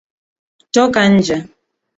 Toka nje.